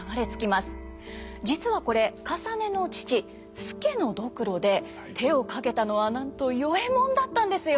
実はこれかさねの父助の髑髏で手をかけたのはなんと与右衛門だったんですよ。